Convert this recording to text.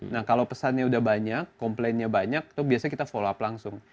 nah kalau pesannya udah banyak komplainnya banyak itu biasanya kita follow up langsung